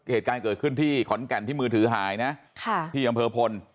เหตุการณ์เกิดขึ้นที่ขอนแก่นที่มือถือหายนะค่ะที่อำเภอพล